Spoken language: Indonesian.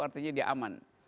artinya dia aman